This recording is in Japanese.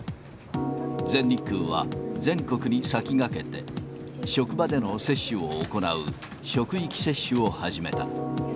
全日空は全国に先駆けて、職場での接種を行う職域接種を始めた。